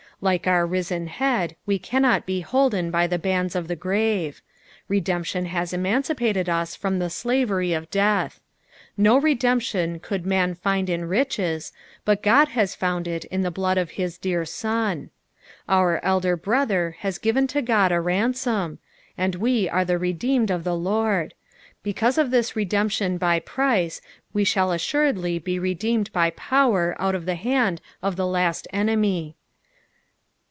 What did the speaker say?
Like our risen Head we cannot be holden by the bands of the grave ; redemption has emancipated us from the slavery of death. No re demption could man flnd in riches, but Ood has found tt in the blood of bis dear Bon. Onr Elder Brother has given to Ood a ransom, and we are the redeemed of the Lord : because of this redemption by price we shall assnredly be redeemed by power out of the hand of the last enemy.